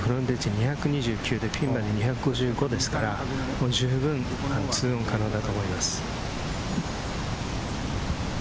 今平選手、エッジは２５５ですから、十分、２オン可能だと思います。